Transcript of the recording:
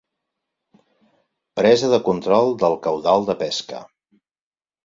Presa de control del caudal de pesca.